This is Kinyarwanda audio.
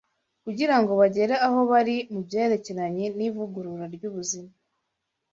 kugira ngo bagere aho bari mu byerekeranye n’ivugurura ry’ubuzima